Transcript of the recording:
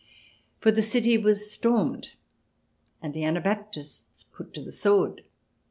For the city was stormed and the Anabaptists put to the sword.